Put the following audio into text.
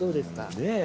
ねえ。